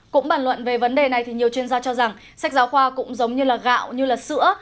cũng bàn luận về vấn đề này thì nhiều chuyên gia cho rằng sách giáo khoa cũng giống như là gạo như sữa